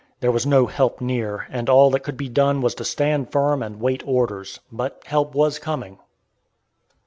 There was no help near, and all that could be done was to stand firm and wait orders; but help was coming.